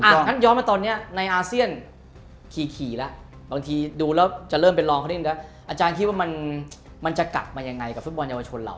งั้นย้อนมาตอนนี้ในอาเซียนขี่แล้วบางทีดูแล้วจะเริ่มเป็นรองเขาเล่นแล้วอาจารย์คิดว่ามันจะกลับมายังไงกับฟุตบอลเยาวชนเรา